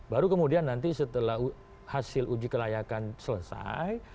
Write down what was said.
baru kemudian nanti setelah hasil uji kelayakan selesai